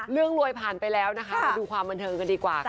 เรื่องรวยผ่านไปแล้วนะคะดูความบันเทิงกันดีกว่า